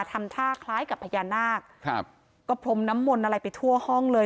ทำท่าคล้ายกับพญานาคครับก็พรมน้ำมนต์อะไรไปทั่วห้องเลย